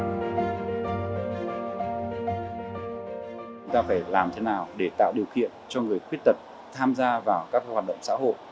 chúng ta phải làm thế nào để tạo điều kiện cho người khuyết tật tham gia vào các hoạt động xã hội